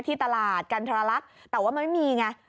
ที่ตลาดกันทรลักษณ์แต่ว่ามันไม่มีไง